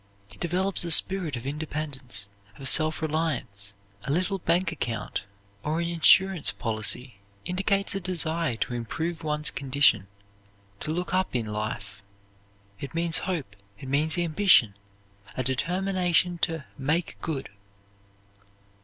It develops a spirit of independence, of self reliance. A little bank account or an insurance policy indicates a desire to improve one's condition, to look up in life. It means hope, it means ambition, a determination to "make good."